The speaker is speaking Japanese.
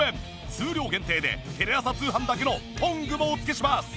数量限定でテレ朝通販だけのトングもお付けします。